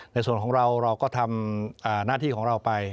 ในส่วนของเราเราก็ทำหน้าที่ของเราไป